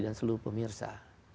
dan seluruh pemirsa